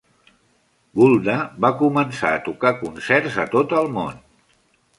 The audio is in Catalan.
Gulda va començar a tocar concerts a tot el món.